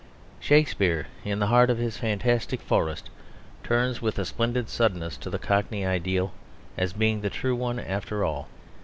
Shakespeare, in the heart of his fantastic forest, turns with a splendid suddenness to the Cockney ideal as being the true one after all.